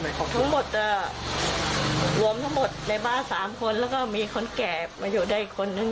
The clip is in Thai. หวังแล้วก็ได้ต้องผ่อนหายใจ